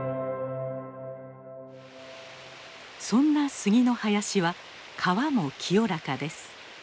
そんな杉の林は川も清らかです。